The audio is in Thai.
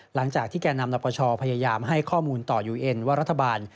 หลังจากที่แก่นำนับประชาพยายามให้ข้อมูลต่อยูเอ็นว่ารัฐบาล